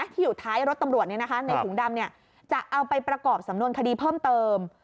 ที่อยู่ท้ายรถตำรวจในถุงดำจะเอาไปประกอบสำนวนคดีเพิ่มเติม